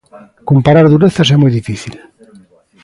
Comparar durezas é moi difícil.